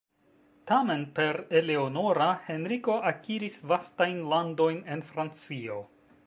Tamen per Eleonora, Henriko akiris vastajn landojn en Francio.